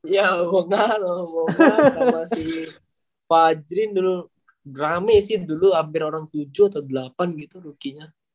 ya sama si fajrin dulu rame sih dulu hampir orang tujuh atau delapan gitu rukinya